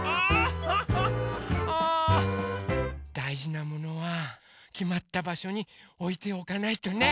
だいじなものはきまったばしょにおいておかないとね！